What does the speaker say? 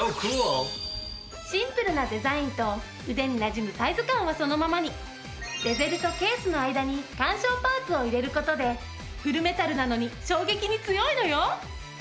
シンプルなデザインと腕になじむサイズ感はそのままにベゼルとケースの間に緩衝パーツを入れる事でフルメタルなのに衝撃に強いのよ！